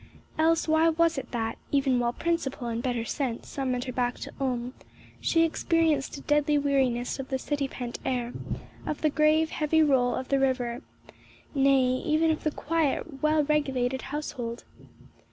Else why was it that, even while principle and better sense summoned her back to Ulm, she experienced a deadly weariness of the city pent air, of the grave, heavy roll of the river, nay, even of the quiet, well regulated household?